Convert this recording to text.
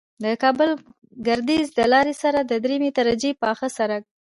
د کابل گردیز د لارې سره د دریمې درجې پاخه سرک